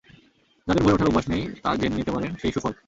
যাঁদের ভোরে ওঠার অভ্যাস নেই, তাঁর জেনে নিতে পারেন সেই সুফল।